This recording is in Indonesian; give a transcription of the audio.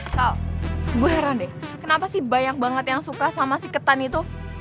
so gue heran deh kenapa sih banyak banget yang suka sama si ketan itu